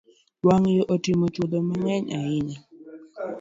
Wang’yo otimo chuodho mang’eny ahinya